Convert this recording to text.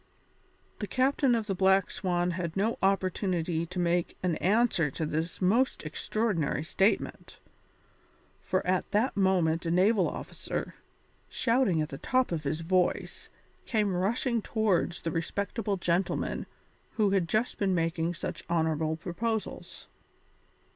The captain of the Black Swan had no opportunity to make an answer to this most extraordinary statement, for at that moment a naval officer, shouting at the top of his voice, came rushing towards the respectable gentleman who had just been making such honourable proposals.